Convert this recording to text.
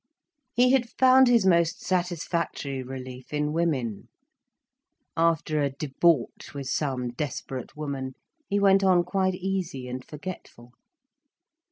He had found his most satisfactory relief in women. After a debauch with some desperate woman, he went on quite easy and forgetful.